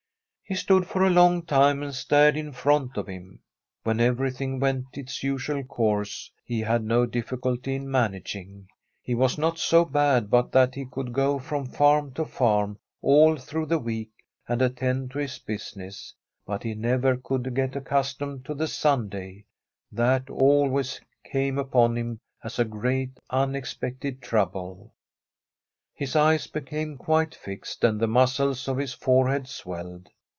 He stood for a long time and stared in front of him. When everything went its usual course, he had no difRculty in managing. He was not so bad but that he could go from farm to farm all through the week and attend to his busi ness, but he never could get accustomed to the Sunday — ^that always came upon him as a great, unexpected trouble. His eyes became quite fixed, and the muscles of his forehead swelled.